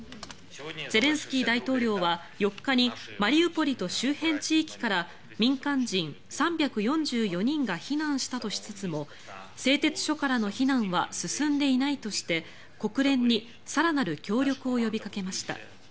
ゼレンスキー大統領は４日にマリウポリと周辺地域から民間人３４４人が避難したとしつつも製鉄所からの避難は進んでいないとして国連に更なる協力を呼びかけました。